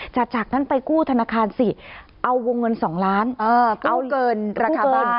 จากนั้นไปกู้ธนาคารสิเอาวงเงิน๒ล้านเอาเกินราคาบ้าน